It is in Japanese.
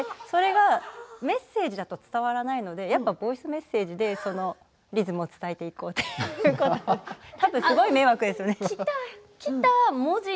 メッセージだと伝わらないのでボイスメッセージでリズムを伝えていこうということですごい迷惑ですよね。